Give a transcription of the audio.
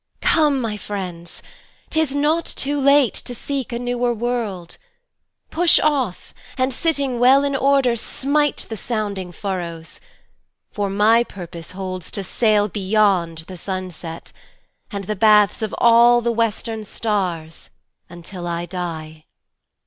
Come, my friends,'T is not too late to seek a newer world. Push off, and sitting well in order smiteThe sounding furrows; for my purpose holdsTo sail beyond the sunset, and the bathsOf all the western stars, until I die.